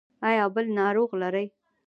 ایا بل ناروغ لرئ؟